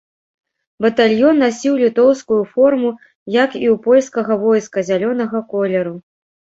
Батальён насіў літоўскую форму, як і ў польскага войска, зялёнага колеру.